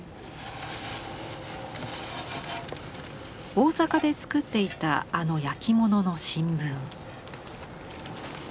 大阪で作っていたあの焼き物の新聞。